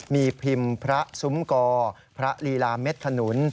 มีพิมพ์พระซุ้มกอพระลีลาเม็ดขนุน